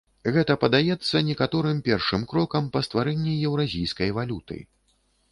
Гэта падаецца некаторым першым крокам па стварэнні еўразійскай валюты.